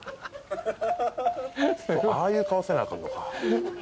ああいう顔せなあかんのか。